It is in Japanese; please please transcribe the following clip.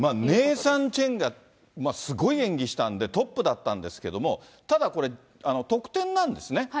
ネイサン・チェンがすごい演技したんで、トップだったんですけども、ただこれ、得点なんですね。